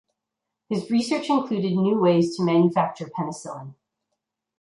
His research included new ways to manufacture penicillin.